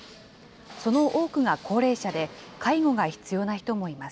その多くが高齢者で、介護が必要な人もいます。